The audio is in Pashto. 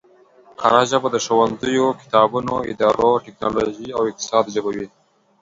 کره ژبه د ښوونځیو، کتابونو، ادارو، ټکنولوژۍ او اقتصاد ژبه وي